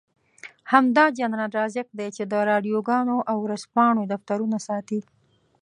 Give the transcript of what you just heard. همدا جنرال رازق دی چې د راډيوګانو او ورځپاڼو دفترونه ساتي.